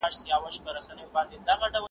مناجات .